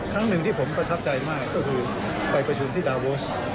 ครั้งหนึ่งที่ผมประทับใจมากก็คือไปประชุมที่ดาวโวส